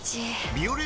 「ビオレ」